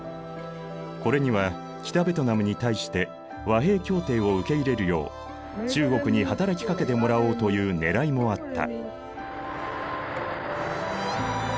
これには北ベトナムに対して和平協定を受け入れるよう中国に働きかけてもらおうというねらいもあった。